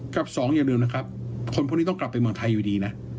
กับสองอย่าลืมนะครับคนพวกนี้ต้องกลับไปเมืองไทยอยู่ดีนะ